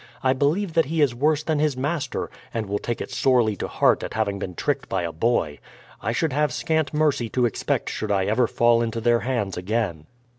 "I believe that he is worse than his master, and will take it sorely to heart at having been tricked by a boy. I should have scant mercy to expect should I ever fall into their hands again."